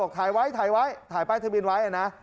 ก็บอกถ่ายไว้ถ่ายไว้ถ่ายไปทะมิลไว้อ่ะนะ